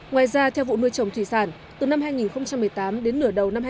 ngoài ra theo vụ nuôi trồng thủy sản từ năm hai nghìn một mươi tám đến nửa đầu năm hai nghìn một mươi